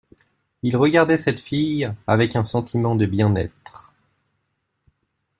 Il regardait cette fille avec un sentiment de bien-être.